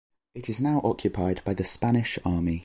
It is now occupied by the Spanish army.